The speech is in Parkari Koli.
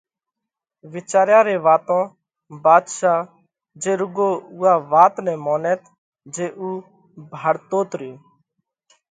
وِيچاريا ري واتون ڀاڌشا جي رُوڳو اُوئا وات نئہ مونئت جي اُو ڀاۯتوت ريو،